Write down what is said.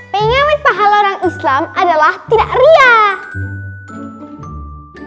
pengawet pahala orang islam adalah tidak riak